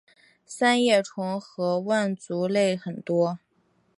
三叶虫和腕足类很多。